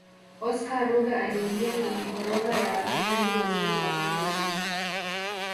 oscar rugger aliingia kwenye orodha ya Wachezaji wazuri wa kombe la dunia